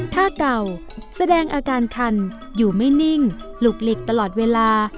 ถ้าเก่าแสดงอาการคันอยู่ไม่นิ่งหลุกหลีกตลอดเวลา